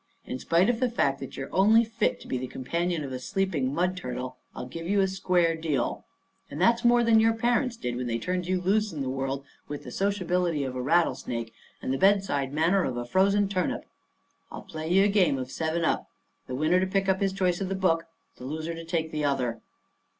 "In spite of the fact that you're only fit to be the companion of a sleeping mud turtle, I'll give you a square deal. And that's more than your parents did when they turned you loose in the world with the sociability of a rattle snake and the bedside manner of a frozen turnip. I'll play you a game of seven up, the winner to pick up his choice of the book, the loser to take the other."